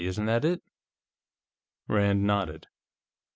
Isn't that it?" Rand nodded.